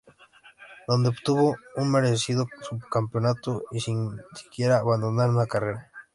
Donde obtuvo un merecido subcampeonato y sin siquiera abandonar una carrera.